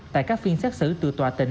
tại các phiên xác xử từ tòa tỉnh